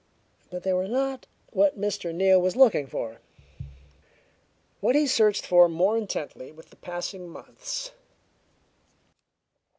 But they were not what Mr. Neal was looking for what he searched for more intently with the passing months.